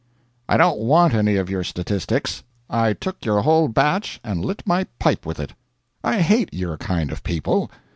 I don't want any of your statistics; I took your whole batch and lit my pipe with it. I hate your kind of people.